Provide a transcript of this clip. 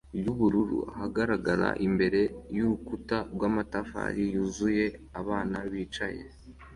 wubururu ahagarara imbere yurukuta rwamatafari yuzuye abana bicaye